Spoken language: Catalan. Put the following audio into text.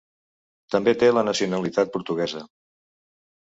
També té la nacionalitat portuguesa.